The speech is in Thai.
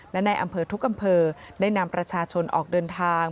และในอำเภอทุกอำเภอได้นำประชาชนออกเดินทาง